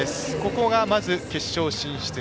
ここがまず決勝進出。